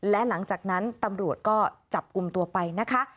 และหลังจากนั้นตำรวจก็จับกลุ่มตัวไปนะคะ